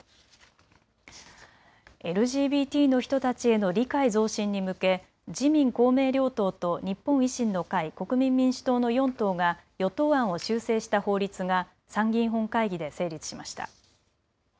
ＬＧＢＴの人たちへの理解増進に向け自民公明両党と日本維新の会、国民民主党の４党が与党案を修正した法律が参議院本会議で成立しました。